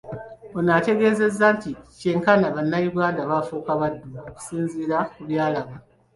Ono ategeezezza nti kyenkana bannayuganda baafuuka baddu okusinzira kubyalaba.